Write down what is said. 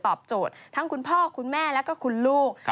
โจทย์ทั้งคุณพ่อคุณแม่แล้วก็คุณลูก